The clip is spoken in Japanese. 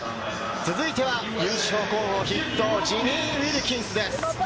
続いては優勝候補筆頭、ジミー・ウィルキンスです。